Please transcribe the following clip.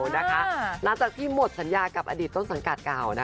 หลังจากที่หมดสัญญากับอดีตต้นสังกัดเก่า